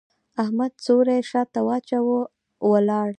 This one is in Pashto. احمد څوری شا ته واچاوو؛ ولاړ.